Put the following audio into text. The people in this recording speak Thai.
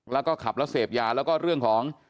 แล้วก็ขับแล้วเสพยาแล้วก็เรื่องของ